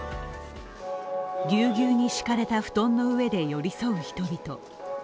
ぎゅうぎゅうに敷かれた布団の上で寄り添う人々。